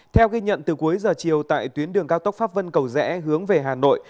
theo ghi nhận từ cuối giờ chiều tại tuyến đường cao tốc pháp vân cầu rẽ hướng về hà nội